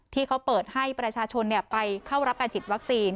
ที่เขาเปิดให้ประชาชนไปเข้ารับการฉีดวัคซีน